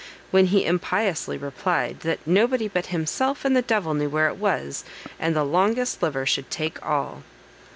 when he impiously replied, "That nobody but himself and the devil knew where it was, and the longest liver should take all."